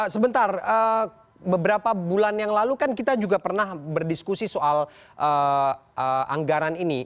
sebentar beberapa bulan yang lalu kan kita juga pernah berdiskusi soal anggaran ini